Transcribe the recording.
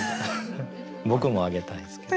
僕も挙げたいですけど。